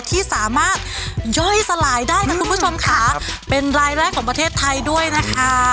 ที่สามารถย่อยสลายได้นะคุณผู้ชมค่ะเป็นรายแรกของประเทศไทยด้วยนะคะ